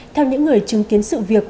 theo những người chứng kiến sự việc